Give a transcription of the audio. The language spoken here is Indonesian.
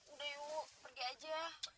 udah yuk pergi aja